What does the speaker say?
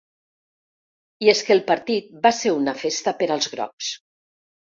I és el que el partit va ser una festa per als grocs.